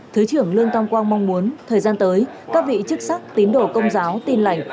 thứ trưởng lương tam quang mong muốn thời gian tới các vị chức sắc tín đồ công giáo tin lành